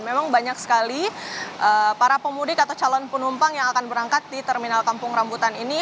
memang banyak sekali para pemudik atau calon penumpang yang akan berangkat di terminal kampung rambutan ini